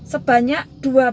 sebanyak dua belas sekolah